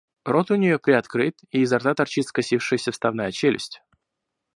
Рот у нее приоткрыт и изо рта торчит соскочившая вставная челюсть.